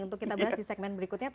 untuk kita bahas di segmen berikutnya